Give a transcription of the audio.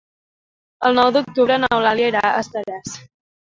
El nou d'octubre n'Eulàlia irà a Estaràs.